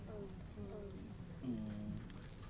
อืม